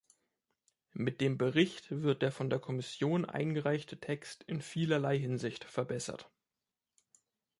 Mit dem Bericht wird der von der Kommission eingereichte Text in vielerlei Hinsicht verbessert.